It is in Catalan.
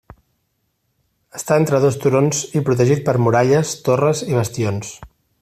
Està entre dos turons i protegit per muralles, torres i bastions.